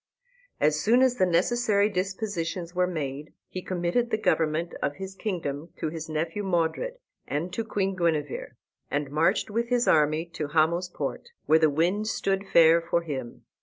As soon as the necessary dispositions were made he committed the government of his kingdom to his nephew Modred and to Queen Guenever, and marched with his army to Hamo's Port, where the wind stood fair for him.